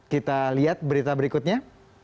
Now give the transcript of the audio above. kita lihat berita berikutnya